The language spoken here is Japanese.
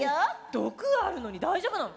毒あるのに大丈夫なの？